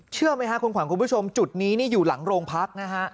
เชื่อไหมครับคุณขวัญคุณผู้ชมจุดนี้นี่อยู่หลังโรงพักนะฮะ